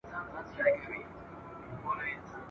خپل قسمت په هیڅ صورت نه ګڼي جبر !.